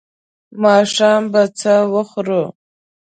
ماښام به څه وخورو؟